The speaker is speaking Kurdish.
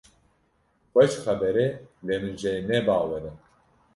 Xweş xeber e lê min jê ne bawer e.